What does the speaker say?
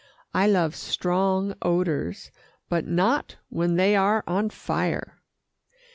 I love strong odours, but not when they are on fire.